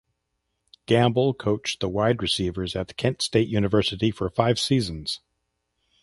Gamble coached the wide receivers at Kent State University for five seasons.